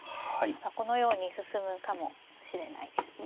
このように進むかもしれないですね。